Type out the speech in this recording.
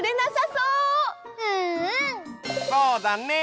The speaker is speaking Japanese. そうだね！